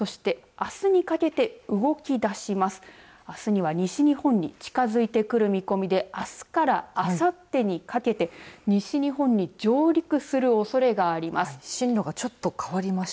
あすには西日本に近づいてくる見込みで、あすからあさってにかけて西日本に上陸するおそれがあります。